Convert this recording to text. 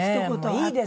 いいです。